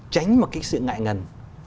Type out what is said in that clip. tránh một cái sự ngại ngần